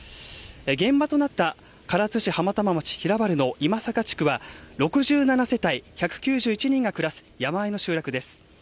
現場となった唐津市浜玉町平原の今坂地区は６７世帯１９１人が暮らす山あいの集落です。